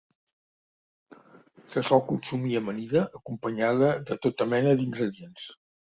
Se sol consumir amanida acompanyada de tota mena d'ingredients.